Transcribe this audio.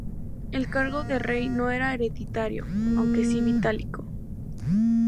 El cargo de rey no era hereditario, aunque sí vitalicio.